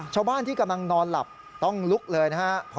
ชาวบ้านที่กำลังนอนหลับต้องลุกเลยนะครับ